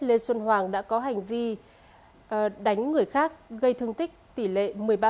lê xuân hoàng đã có hành vi đánh người khác gây thương tích tỷ lệ một mươi ba